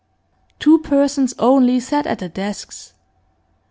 Two persons only sat at the desks.